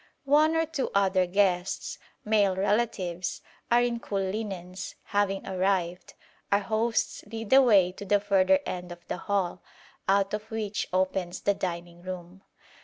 One or two other guests, male relatives, all in cool linens, having arrived, our hosts lead the way to the further end of the hall, out of which opens the dining room.